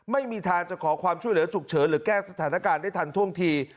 ไม่มีทางจะขอความช่วยเหลือฉุกเฉินหรือแก้สถานการณ์ได้ทันท่วงที